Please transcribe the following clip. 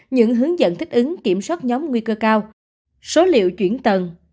những hướng dẫn thích ứng kiểm soát nhóm nguy cơ cao số liệu chuyển tầng